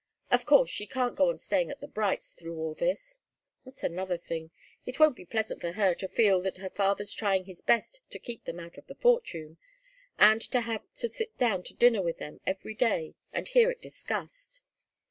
Of course, she can't go on staying at the Brights' through all this. That's another thing. It won't be pleasant for her to feel that her father's trying his best to keep them out of the fortune, and to have to sit down to dinner with them every day and hear it discussed.